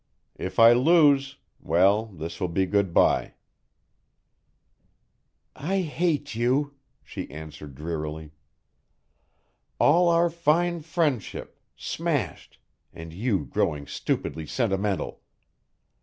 If I lose well, this will be good bye." "I hate you," she answered drearily. "All our fine friendship smashed and you growing stupidly sentimental.